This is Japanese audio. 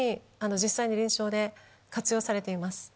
実際に臨床で活用されています。